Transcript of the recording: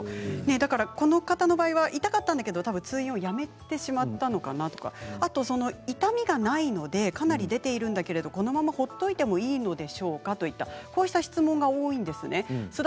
この方の場合は痛かったんだけど通院をやめてしまったのかなとかあと痛みがないのでかなり出ているんだけどこのまま放っておいてもいいのでしょうかといった質問が多いです。